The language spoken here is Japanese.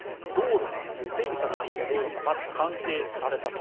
整備されていた道路がまず完成されたと。